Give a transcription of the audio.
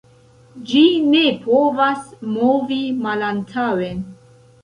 Ĝi ne povas movi malantaŭen.